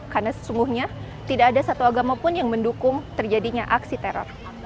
karena sesungguhnya tidak ada satu agama pun yang mendukung terjadinya aksi teror